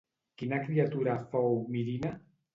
Quina criatura fou Mirina?